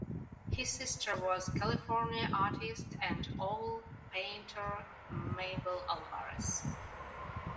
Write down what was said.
His sister was California artist and oil painter Mabel Alvarez.